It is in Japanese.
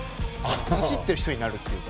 走ってる人になるっていうか。